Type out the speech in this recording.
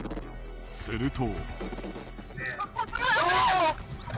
すると。